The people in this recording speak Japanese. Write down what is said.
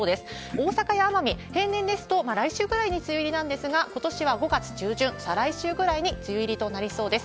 大阪や奄美、平年ですと来週ぐらいに梅雨入りなんですが、ことしは５月中旬、再来週ぐらいに梅雨入りとなりそうです。